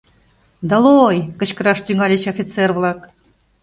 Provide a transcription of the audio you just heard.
Долой! — кычкыраш тӱҥальыч офицер-влак.